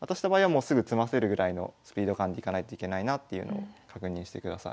もうすぐ詰ませるぐらいのスピード感でいかないといけないなっていうのを確認してください。